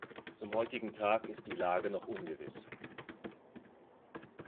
Zum heutigen Tag ist die Lage noch ungewiss.